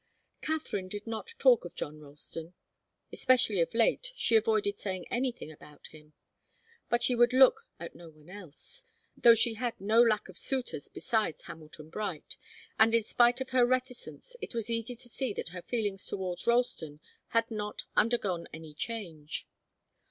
Katharine did not talk of John Ralston. Especially of late, she avoided saying anything about him. But she would look at no one else, though she had no lack of suitors besides Hamilton Bright, and in spite of her reticence it was easy to see that her feelings towards Ralston had not undergone any change.